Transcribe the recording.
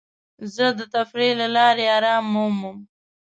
زه د تفریح له لارې ارام مومم.